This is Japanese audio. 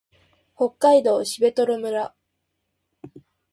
北海道蘂取村